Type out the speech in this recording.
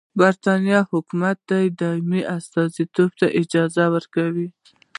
برټانیې حکومت ته دي د دایمي استازو اجازه ورکړي.